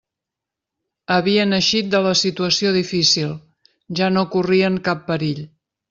Havien eixit de la situació difícil; ja no corrien cap perill.